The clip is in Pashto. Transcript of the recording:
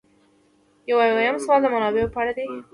یو اویایم سوال د منابعو په اړه دی.